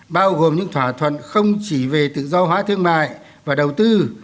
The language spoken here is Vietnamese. bao gồm những thỏa thuận không chỉ về tự do hóa thương mại và đầu tư